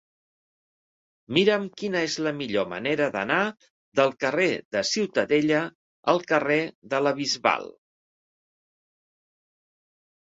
Mira'm quina és la millor manera d'anar del carrer de Ciutadella al carrer de la Bisbal.